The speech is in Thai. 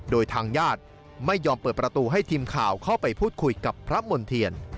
โดยทางญาติไม่ยอมเปิดประตูให้ทีมข่าวเข้าไปพูดคุยกับพระมณ์เทียน